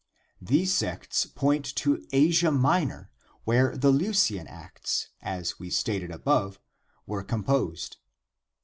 These sects point to Asia Minor, where the Leucian Acts, as we stated above, were composed.